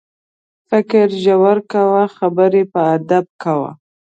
فکر ژور کوه، خبرې په ادب کوه.